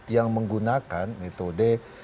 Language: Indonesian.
yang menggunakan metode